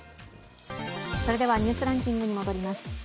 それでは「ニュースランキング」に戻ります。